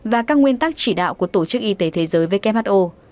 và các nguyên tắc chỉ đạo của tổ chức y tế thế giới who